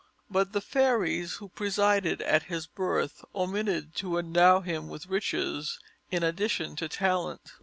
But the fairies who presided at his birth omitted to endow him with riches, in addition to talent.